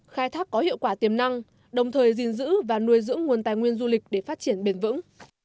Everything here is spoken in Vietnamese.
khai thác có hiệu quả tiềm năng đồng thời gìn giữ và nuôi dưỡng nguồn tài nguyên du lịch để phát triển bền vững